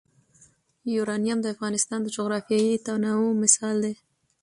یورانیم د افغانستان د جغرافیوي تنوع مثال دی.